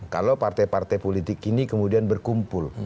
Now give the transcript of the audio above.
kalau partai partai politik ini kemudian berkumpul